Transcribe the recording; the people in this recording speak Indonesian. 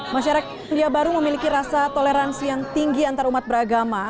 masyarakat selandia baru memiliki rasa toleransi yang tinggi antar umat beragama